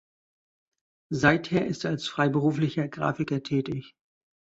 Seither ist er als freiberuflicher Grafiker tätig.